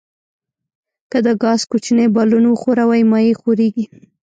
که د ګاز کوچنی بالون وښوروئ مایع ښوریږي.